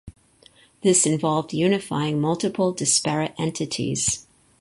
This involved unifying multiple disparate entities.